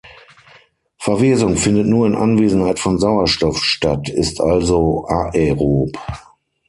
Verwesung findet nur in Anwesenheit von Sauerstoff statt, ist also aerob.